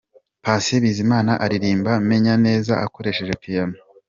Patient Bizimana aririmba “Menye neza” akoresheje Piano.